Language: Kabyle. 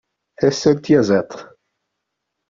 Tasa n tyaziḍt.